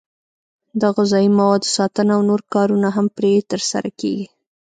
د غذایي موادو ساتنه او نور کارونه هم پرې ترسره کېږي.